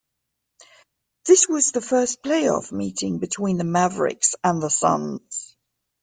This was the first playoff meeting between the Mavericks and the Suns.